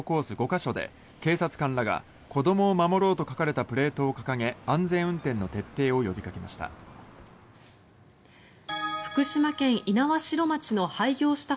５か所で、警察官らが「子どもを守ろう」と書かれたプレートを掲げ安全運転の徹底を呼びかけました。